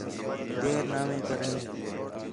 دیر ناوے کرݨی